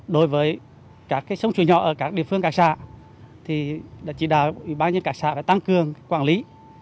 đối với các sống chủ nhỏ ở các địa phương cả xã chỉ đào ủy ban nhân cả xã phải tăng cường quản lý